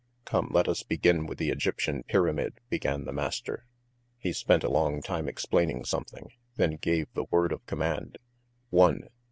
"Come, let us begin with the Egyptian pyramid," began the master. He spent a long time explaining something, then gave the word of command, "One